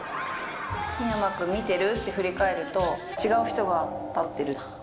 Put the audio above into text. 未山君見てる？って振り返ると、違う人が立ってるっていう。